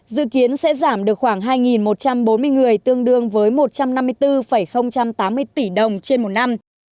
dự kiến sẽ giảm được khoảng hai một trăm bốn mươi người tương đương với một trăm năm mươi bốn tám mươi tỷ đồng trên một năm